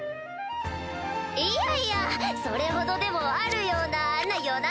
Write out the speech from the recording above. いやいやそれほどでもあるようなないような？